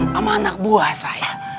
sama anak buah saya